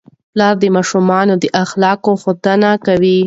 پلار د ماشومانو د اخلاقو ښودنه کوي.